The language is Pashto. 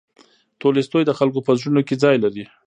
تولستوی د خلکو په زړونو کې ځای لري.